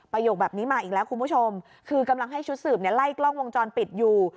โยคแบบนี้มาอีกแล้วคุณผู้ชมคือกำลังให้ชุดสืบเนี่ยไล่กล้องวงจรปิดอยู่